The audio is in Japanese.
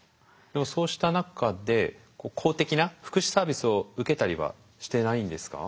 でもそうした中で公的な福祉サービスを受けたりはしてないんですか？